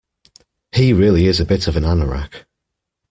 He really is a bit of an anorak